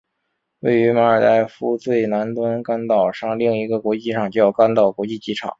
位于马尔代夫最南端甘岛上另一个国际机场叫甘岛国际机场。